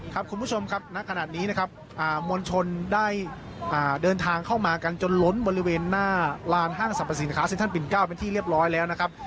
คุณผู้ชมครับณขณะนี้นะครับมวลชนได้เดินทางเข้ามากันจนล้นบริเวณหน้าลานห้างสรรพสินค้าเซ็นทรัลปิน๙เป็นที่เรียบร้อยแล้วนะครับ